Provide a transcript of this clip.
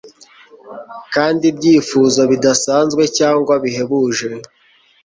Kandi ibyifuzo bidasanzwe cyangwa bihebuje